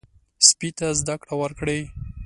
سپي ته زده کړه ورکړئ.